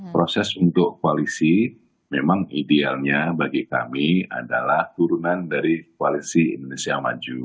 proses untuk koalisi memang idealnya bagi kami adalah turunan dari koalisi indonesia maju